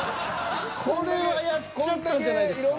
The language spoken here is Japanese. これはやっちゃったんじゃないですか？